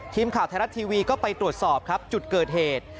ทีมข่าวไทยรัฐทีวีก็ไปตรวจสอบครับจุดเกิดเหตุ